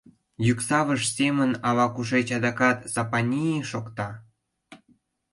Йӱксавыш семын ала-кушеч адакат «Сапани-и!» шокта.